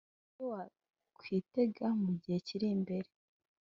Ibyo wakwitega mu gihe kiri imbere